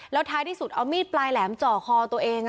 แล้วท้ายที่สุดเอามีดปลายแหลมจ่อคอตัวเอง